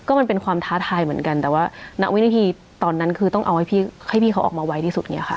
มันเป็นความท้าทายเหมือนกันแต่ว่าณวินาทีตอนนั้นคือต้องเอาให้พี่เขาออกมาไวที่สุดเนี่ยค่ะ